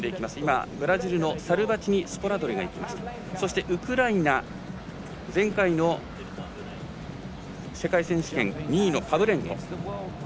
そしてウクライナ前回の世界選手権２位のパブレンコ。